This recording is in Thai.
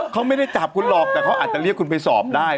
เขาไม่ได้จับคุณหรอกแต่เขาอาจจะเรียกคุณไปสอบได้